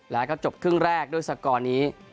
แล้วก็จบครึ่งแรกด้วยสกอร์นี้